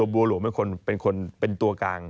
บัวหลวงเป็นตัวกลาง